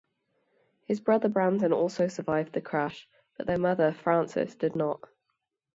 His brother Brandon also survived the crash, but their mother, Frances, did not.